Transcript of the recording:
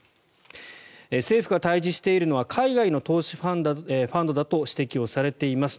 政府が対峙しているのは海外の投資ファンドだと指摘をされています。